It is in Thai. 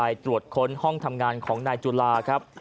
ไปตรวจค้นห้องทำงานของนายจุลาครับ